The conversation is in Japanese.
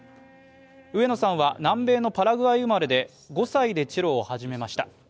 上野さんは南米のパラグアイ生まれで５歳でチェロを始めました。